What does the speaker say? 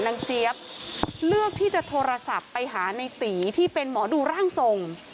เจี๊ยบเลือกที่จะโทรศัพท์ไปหาในตีที่เป็นหมอดูร่างทรง